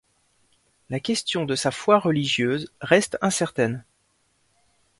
La question de sa foi religieuse reste incertaine.